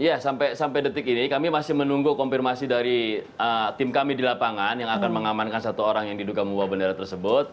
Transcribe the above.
ya sampai detik ini kami masih menunggu konfirmasi dari tim kami di lapangan yang akan mengamankan satu orang yang diduga membawa bendera tersebut